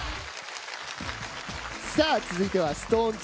続いてはＳｉｘＴＯＮＥＳ